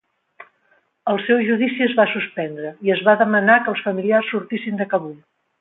El seu judici es va suspendre, i es va demanar que els familiars sortissin de Kabul.